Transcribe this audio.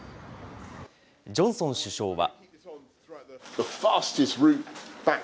ジョンソン首相は。